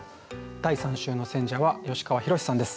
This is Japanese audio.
第３週の選者は吉川宏志さんです。